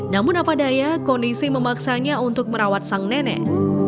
namun apadahaya kondisi memaksanya untuk merawat sang nenek